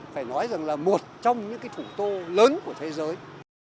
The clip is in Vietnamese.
phải nói rằng là một trong những cái thủ đô lớn của thế giới